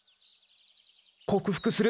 克服する。